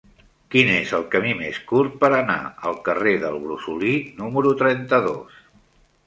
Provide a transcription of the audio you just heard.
Quin és el camí més curt per anar al carrer del Brosolí número trenta-dos?